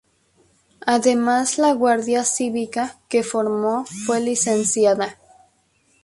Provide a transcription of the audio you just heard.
Además, la guardia cívica que formó fue licenciada.